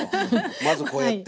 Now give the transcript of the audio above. まずこうやって。